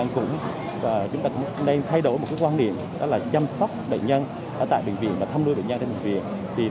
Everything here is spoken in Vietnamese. chúng ta cũng đang thay đổi quan niệm chăm sóc bệnh nhân tại bệnh viện và thăm nuôi bệnh nhân tại bệnh viện